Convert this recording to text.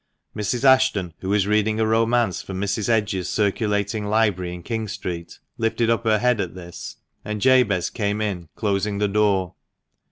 Mrs. Ashton, who was reading a romance from Mrs. Edge's circulating library in King Street, lifted up her head at this ; and Jabez came in, closing the door.